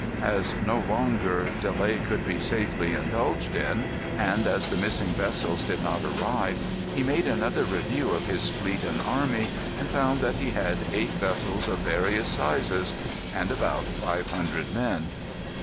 As no longer delay could be safely indulged in, and as the missing vessels did not arrive, he made another review of his fleet and army, and found that he had eight vessels of various sizes and about five hundred men.